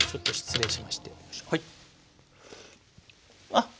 あっ！